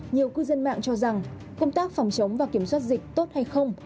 nhiều cư dân mạng cho rằng công tác phòng chống và kiểm soát dịch tốt hay không